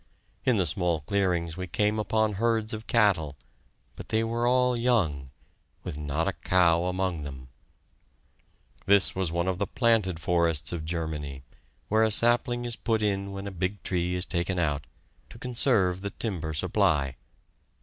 In the small clearings we came upon herds of cattle, but they were all young, with not a cow among them. This was one of the planted forests of Germany, where a sapling is put in when a big tree is taken out, to conserve the timber supply.